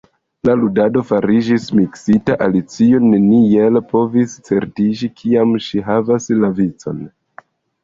La ludado fariĝis miksita, Alicio neniel povis certiĝi kiam ŝi havas la vicon.